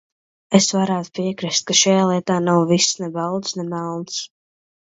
Es varētu piekrist, ka šajā lietā nav viss ne balts, ne melns.